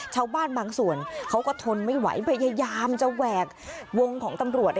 ชาวบ้านบางส่วนเขาก็ทนไม่ไหวพยายามจะแหวกวงของตำรวจ